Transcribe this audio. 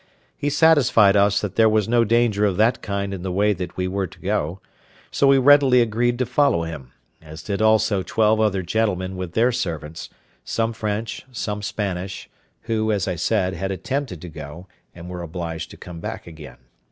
He satisfied us that there was no danger of that kind in the way that we were to go; so we readily agreed to follow him, as did also twelve other gentlemen with their servants, some French, some Spanish, who, as I said, had attempted to go, and were obliged to come back again.